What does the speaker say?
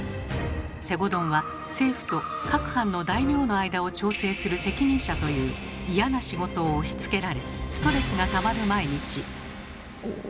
西郷どんは政府と各藩の大名の間を調整する責任者という嫌な仕事を押しつけられストレスがたまる毎日。